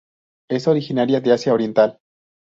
Es originaria de Asia oriental.